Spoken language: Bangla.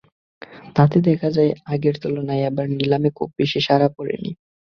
তাতে দেখা যায়, আগের তুলনায় এবার নিলামে খুব বেশি সাড়া পড়েনি।